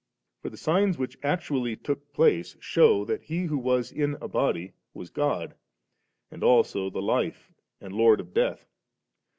For the signs which actually took place shew that He who was in a body was God, and also the Life and Lord of death.